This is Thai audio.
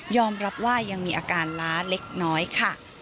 รับว่ายังมีอาการล้าเล็กน้อยค่ะ